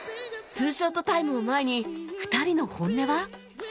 ２ショットタイムを前に２人の本音は？